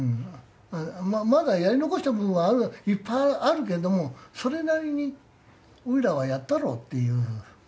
まだやり残した部分はいっぱいあるけどそれなりにおいらはやったろって。